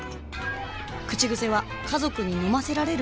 口癖は「家族に飲ませられる？」